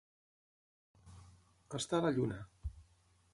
Estar a la lluna.